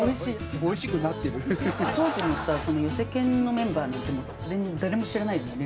当時のさ寄席研のメンバーなんてもう誰も知らないよね？